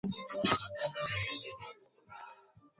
Mnyama kutiririsha makamasi